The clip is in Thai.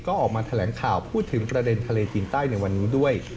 ก็ออกมาแถลงข่าวพูดถึงประเด็นทะเลจีนใต้ในวันนี้ด้วย